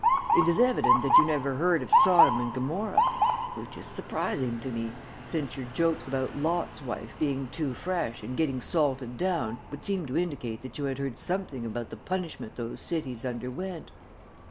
It is evident that you never heard of Sodom and Gomorrah which is surprising to me, since your jokes about Lot's wife being too fresh and getting salted down, would seem to indicate that you had heard something about the punishment those cities underwent."